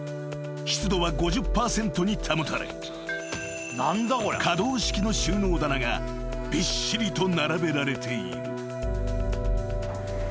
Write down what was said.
湿度は５０％に保たれ可動式の収納棚がびっしりと並べられている］